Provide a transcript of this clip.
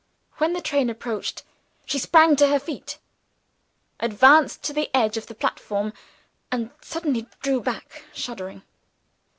When the train approached, she sprang to her feet advanced to the edge of the platform and suddenly drew back, shuddering.